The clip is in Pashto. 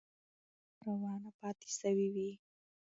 زده کړه به روانه پاتې سوې وي.